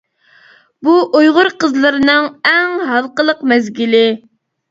بۇ ئۇيغۇر قىزلىرىنىڭ ئەڭ ھالقىلىق مەزگىلى.